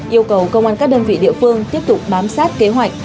yêu cầu công an các đơn vị địa phương tiếp tục bám sát kế hoạch